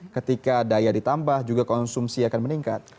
ketika daya ditambah juga konsumsi akan meningkat